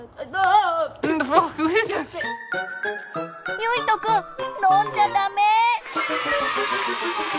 ゆいとくんのんじゃダメ！